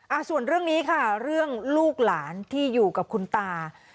อ่าส่วนเรื่องนี้ค่ะเรื่องลูกหลานที่อยู่กับคุณตา